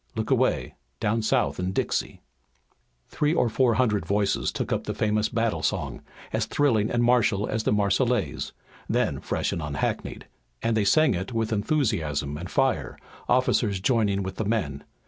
Look away! Down South in Dixie!" Three or four hundred voices took up the famous battle song, as thrilling and martial as the Marseillaise, then fresh and unhackneyed, and they sang it with enthusiasm and fire, officers joining with the men.